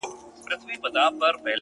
ه یاره ولي چوپ یې مخکي داسي نه وې؛